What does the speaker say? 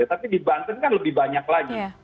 tapi di banten kan lebih banyak lagi